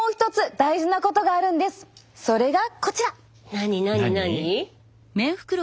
何何何？